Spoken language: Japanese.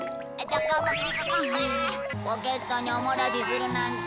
ポケットにおもらしするなんて。